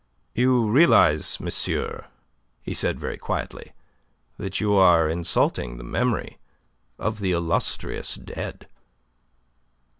"You realize, monsieur," he said, very quietly, "that you are insulting the memory of the illustrious dead?"